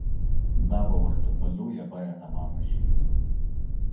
دا به ورته په لویه بیه تمامه شي.